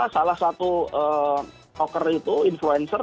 salah satu toker itu influencer